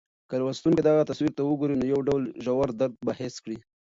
که لوستونکی دغه تصویر ته وګوري، نو یو ډول ژور درد به حس کړي.